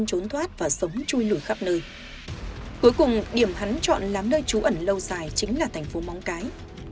cuối cùng điểm hắn chọn làm nơi trú ẩn lâu dài chính là thành phố móng cái